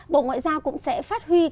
bộ ngoại giao cũng sẽ phát huy